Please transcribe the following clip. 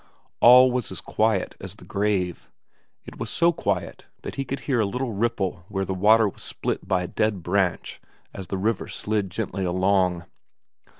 All was as quiet as the grave. It was so quiet that he could hear a little ripple where the water was split by a dead branch as the river slid gently along.